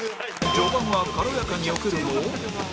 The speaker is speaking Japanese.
序盤は軽やかによけるも